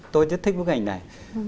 tôi rất thích bức ảnh này